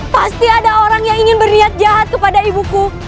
pasti ada orang yang ingin berniat jahat kepada ibuku